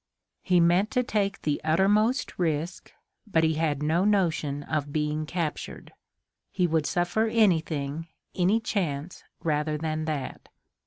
He meant to take the uttermost risk, but he had no notion of being captured. He would suffer anything, any chance, rather than that.